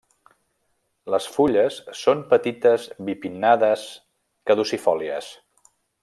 Les fulles són petites bipinnades, caducifòlies.